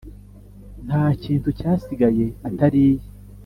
nta kintu cyasigaye atariye,